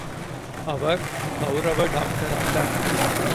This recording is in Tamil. அவர் கௌரவ டாக்டர் அல்லர்.